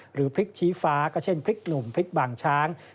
หรือพริกชี้ฟ้าก็เช่นพริกหนุ่มพริกบางช้าง